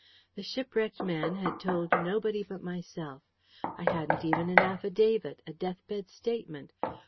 The shipwrecked man had told nobody but myself. I hadn't even an affidavit, a death bed statement.